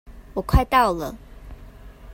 我快到了